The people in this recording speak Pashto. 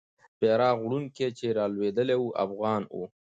بیرغ وړونکی چې رالوېدلی وو، افغان وو.